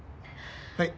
はい。